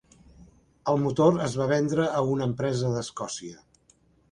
El motor es va vendre a una empresa d'Escòcia.